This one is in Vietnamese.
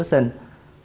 trên sàn hit option